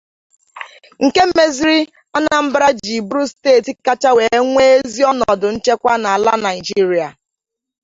nke mezịrị Anambra jiri bụrụ steeti kacha wee nwee ezi ọnọdụ nchekwa n'ala Nigeria